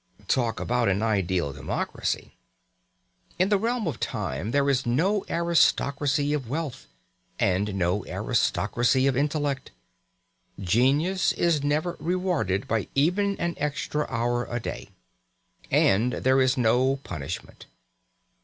Talk about an ideal democracy! In the realm of time there is no aristocracy of wealth, and no aristocracy of intellect. Genius is never rewarded by even an extra hour a day. And there is no punishment.